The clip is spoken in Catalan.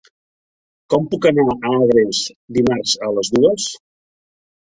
Com puc anar a Agres dimarts a les dues?